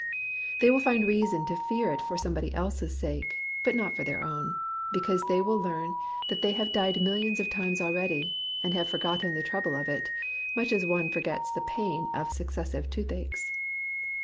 They will find reason to fear it for somebody else's sake, but not for their own, because they will learn that they have died millions of times already, and have forgotten the trouble of it, much as one for gets the pain of successive toothaches.